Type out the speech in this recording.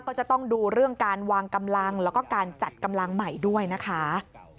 ก็จะต้องดูเรื่องการวางกำลังแล้วก็การจัดกำลังใหม่ด้วยนะคะ